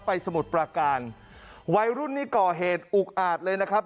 สมุทรประการวัยรุ่นนี้ก่อเหตุอุกอาจเลยนะครับ